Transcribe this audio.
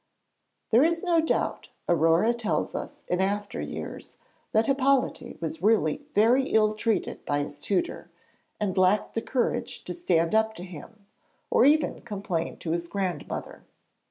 There is no doubt, Aurore tells us in after years, that Hippolyte was really very ill treated by his tutor, and lacked the courage to stand up to him, or even to complain to his grandmother.